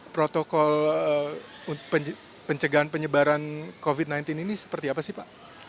protokol pencegahan penyebaran covid sembilan belas ini seperti apa sih pak